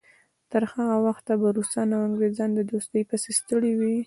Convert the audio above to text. تر هغه وخته به روسان او انګریزان د دوستۍ پسې ستړي وي.